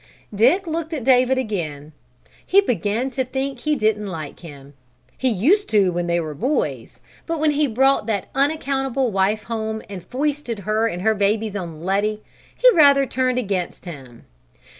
Dick looked at David again. He began to think he didn't like him. He used to, when they were boys, but when he brought that unaccountable wife home and foisted her and her babies on Letty, he rather turned against him.